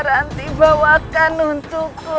ranti bawakan untukku